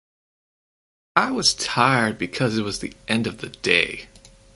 I was tired because it was the end of the day.